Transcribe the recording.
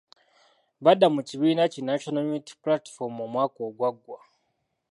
Badda mu kibiina ki National Unity Platform omwaka ogwagwa.